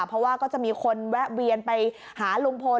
เพราะว่าก็จะมีคนแวะเวียนไปหาลุงพล